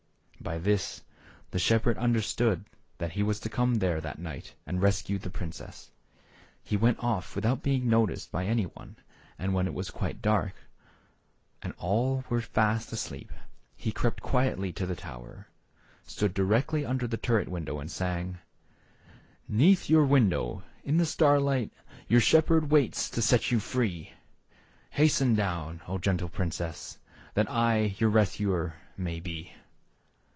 By this the shepherd understood that he was to come there that night and rescue the princess. He went off without being noticed by any one, and when it was quite dark and all were fast asleep, he crept quietly to the tower, stood di rectly under the turret window and sang :" 'Neath your window, in the starlight, Your shepherd waits to set you free : Hasten down, O, gentle princess J That I your rescuer may be."